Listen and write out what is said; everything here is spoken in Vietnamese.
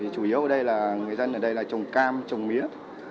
chủ yếu ở đây là người dân ở đây là trồng cam trồng mía